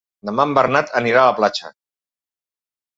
Demà en Bernat anirà a la platja.